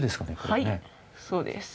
はいそうです。